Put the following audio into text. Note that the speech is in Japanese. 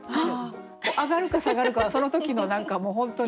上がるか下がるかはその時の何かもう本当に。